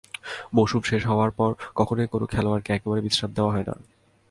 মৌসুম শেষ হওয়ার পর কখনোই কোনো খেলোয়াড়কে একেবারেই বিশ্রাম দেওয়া হয় না।